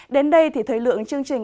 đến đây thì thời lượng chương trình